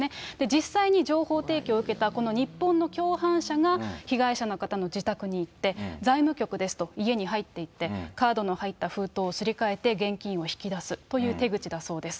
実際に情報提供を受けたこの日本の共犯者が被害者の方の自宅に行って、財務局ですと家に入っていって、カードの入った封筒をすり替えて現金を引き出すという手口だそうです。